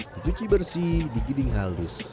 dicuci bersih digiling halus